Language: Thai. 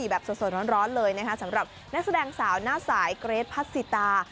แบบสดร้อนเลยนะคะสำหรับนักแสดงสาวหน้าสายเกรทพัสสิตา